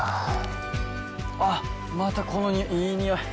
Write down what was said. あっまたこのいい匂い。